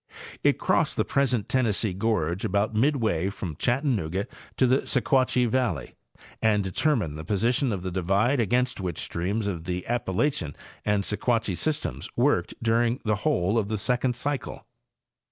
It crossed the present Tennessee gorge about midway from Chattanooga to the Sequatchie valley and determined the posi tion of the divide against which streams of the Appalachian and Sequatchie systems worked during the whole of the second eycle.